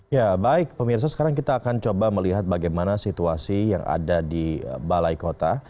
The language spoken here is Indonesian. ya baik pemirsa sekarang kita akan coba melihat bagaimana situasi yang ada di balai kota